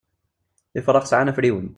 Ifrax sεan afriwen.